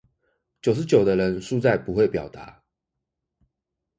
九十九的人輸在不會表達